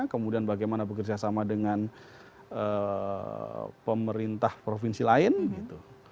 kemudian bagaimana bekerjasama dengan pemerintah provinsi lain gitu